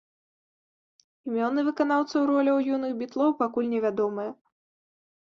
Імёны выканаўцаў роляў юных бітлоў пакуль невядомыя.